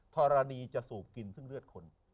ธรณีจะสูบกินซึ่งเลือดคน